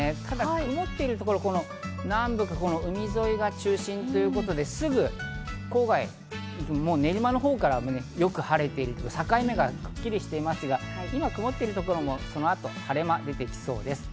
曇ってるところ、南部から海沿いが中心ということで、練馬のほうからよく晴れている境目がくっきりしていますが、今、曇ってるところもおそらく晴れ間が出てきそうです。